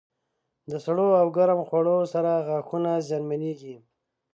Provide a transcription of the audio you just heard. د سړو او ګرم خوړو سره غاښونه زیانمنېږي.